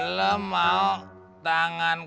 lo mau tangankan